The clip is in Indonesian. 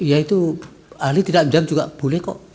ya itu ahli tidak menjawab juga boleh kok